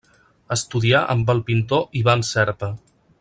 Estudià amb el pintor Ivan Serpa.